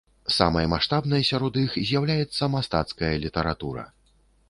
Самай маштабнай сярод іх з'яўляецца мастацкая літаратура.